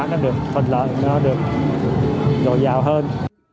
nó được phần lợi nó được độ giàu hơn